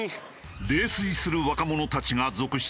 泥酔する若者たちが続出。